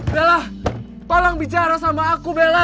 bella tolong bicara sama aku bella